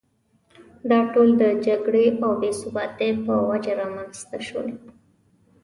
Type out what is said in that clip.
دا ټول د جګړې او بې ثباتۍ په وجه رامېنځته شول.